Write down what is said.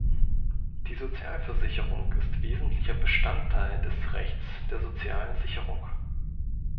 Die Sozialversicherung ist wesentlicher Bestandteil des Rechts der sozialen Sicherung.